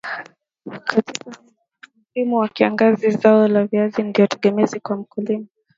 katika msimu wa kiangazi zao la viazi ndio tegemezi kwa mkulima